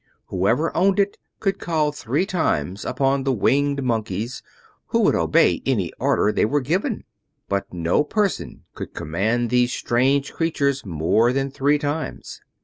Whoever owned it could call three times upon the Winged Monkeys, who would obey any order they were given. But no person could command these strange creatures more than three times.